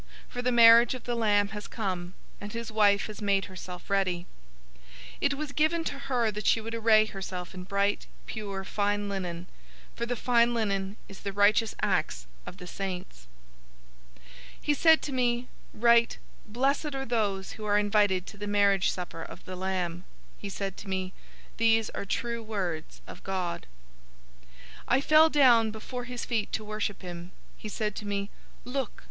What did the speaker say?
For the marriage of the Lamb has come, and his wife has made herself ready." 019:008 It was given to her that she would array herself in bright, pure, fine linen: for the fine linen is the righteous acts of the saints. 019:009 He said to me, "Write, 'Blessed are those who are invited to the marriage supper of the Lamb.'" He said to me, "These are true words of God." 019:010 I fell down before his feet to worship him. He said to me, "Look!